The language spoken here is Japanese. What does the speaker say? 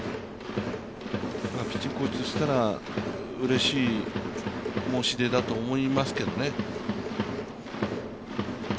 ピッチングコーチとしたらうれしい申し出だと思いますけどね。